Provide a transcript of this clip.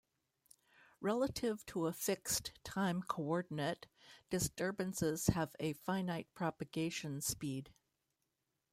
Relative to a fixed time coordinate, disturbances have a finite propagation speed.